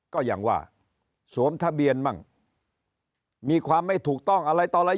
ก็อย่างว่าสวมทะเบียนมั่งมีความไม่ถูกต้องอะไรต่ออะไร